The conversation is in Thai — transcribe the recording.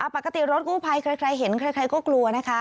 ปกติรถกู้ภัยใครเห็นใครก็กลัวนะคะ